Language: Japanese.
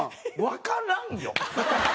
わからんよ。